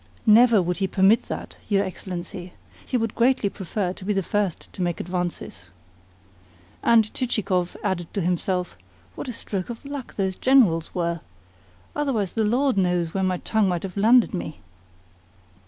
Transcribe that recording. "Never would he permit that, your Excellency. He would greatly prefer to be the first to make advances." And Chichikov added to himself: "What a stroke of luck those Generals were! Otherwise, the Lord knows where my tongue might have landed me!"